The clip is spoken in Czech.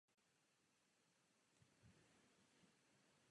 Druhý titul z této události získal rakouský tenista Dominic Thiem.